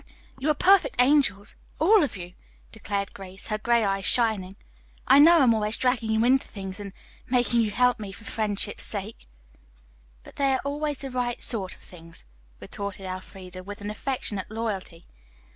"You are perfect angels, all of you," declared Grace, her gray eyes shining. "I know I am always dragging you into things, and making you help me for friendship's sake." "But they are always the right sort of things," retorted Elfreda, with an affectionate loyalty.